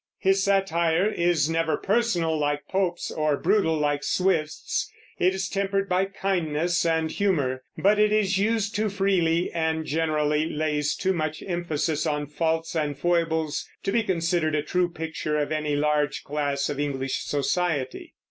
His satire is never personal, like Pope's, or brutal, like Swift's, and is tempered by kindness and humor; but it is used too freely, and generally lays too much emphasis on faults and foibles to be considered a true picture of any large class of English society.